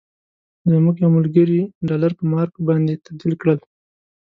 زموږ یو ملګري ډالر په مارک باندې تبدیل کړل.